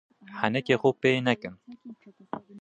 Henekê xwe pê nekin!